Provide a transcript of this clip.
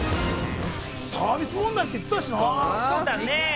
サービス問題って言ってたしな。